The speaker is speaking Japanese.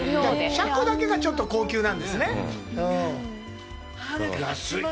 シャコだけがちょっと高級なんですね。